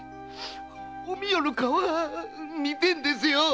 おみよの顔が見てえんですよ！